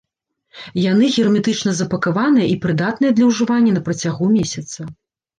Яны герметычна запакаваныя і прыдатныя для ўжывання на працягу месяца.